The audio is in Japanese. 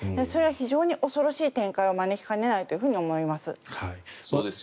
それは非常に恐ろしい展開を招きかねないと思います。